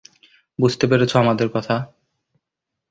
বুঝতে পেরেছ আমার কথা?